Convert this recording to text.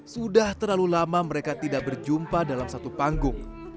sudah terlalu lama mereka tidak berjumpa dalam satu panggung